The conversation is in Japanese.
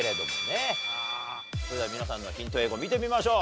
それでは皆さんのヒント英語見てみましょう。